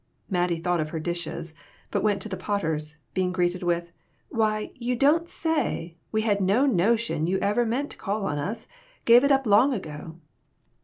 Mattie thought of her dishes, but went to the Potters, being greeted with "Why, you don't say ! We had no notion that you ever meant to call on us gave it up long ago."